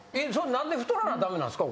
何で太らな駄目なんですか？